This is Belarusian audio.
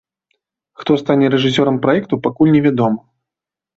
Хто стане рэжысёрам праекту, пакуль не вядома.